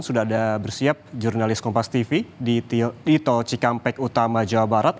sudah ada bersiap jurnalis kompas tv di tol cikampek utama jawa barat